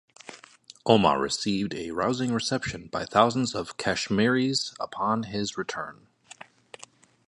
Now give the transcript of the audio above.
Omar received a rousing reception by thousands of Kashmiris upon his return.